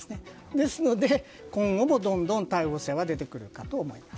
ですので今後もどんどん逮捕者が出てくるかと思います。